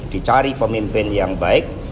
dicari pemimpin yang baik